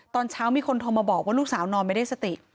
ตอนเช้ามีคนโทรมาบอกว่าลูกสาวนอนไม่ได้สติ